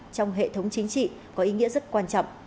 trong hệ thống chính trị có ý nghĩa rất quan trọng